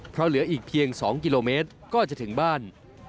เพราะเหลืออีกเพียง๒กิโลเมตรก็จะถึงบ้าน